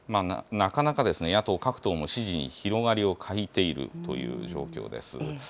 なかなか野党各党も支持に広がりを欠いているという状況です。